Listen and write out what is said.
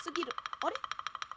あれ？